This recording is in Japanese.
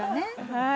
はい。